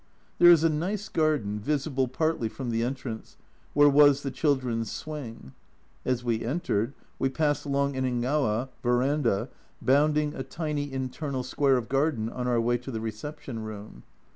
There is a nice garden, visible partly from the entrance, where was the children's swing. As we entered we passed along an engaiva (verandah) bounding a tiny internal square of garden on our way to the reception room.